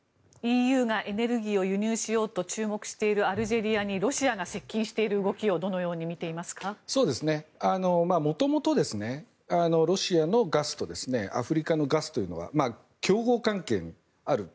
ＥＵがエネルギーを輸入しようと注目しているアルジェリアにロシアが接近している動きを元々、ロシアのガスとアフリカのガスというのは競合関係にある。